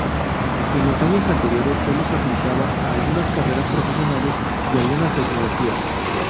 En los años anteriores solo se aplicaba a algunas carreras profesionales y algunas tecnológicas.